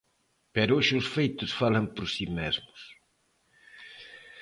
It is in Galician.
Pero hoxe os feitos falan por si mesmos.